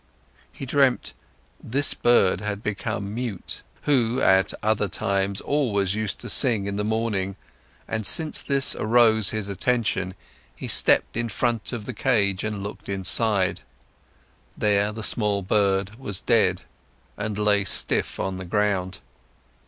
He dreamt: this bird had become mute, who at other times always used to sing in the morning, and since this arose his attention, he stepped in front of the cage and looked inside; there the small bird was dead and lay stiff on the ground.